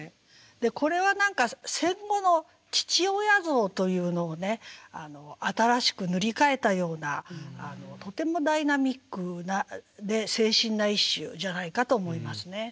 これは戦後の父親像というのを新しく塗り替えたようなとてもダイナミックで清新な一首じゃないかと思いますね。